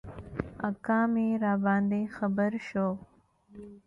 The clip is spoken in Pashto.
اکا مي راباندي خبر شو .